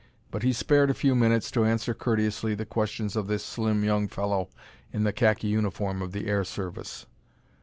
But he spared a few minutes to answer courteously the questions of this slim young fellow in the khaki uniform of the air service.